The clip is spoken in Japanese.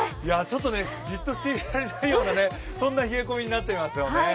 ちょっとじっとしていられないような、そんな冷え込みになっていますよね。